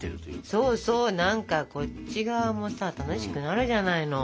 そうそう何かこっち側もさ楽しくなるじゃないの。